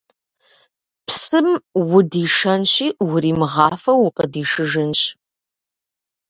Псым удишэнщи, уримыгъафэу укъыдишыжынщ.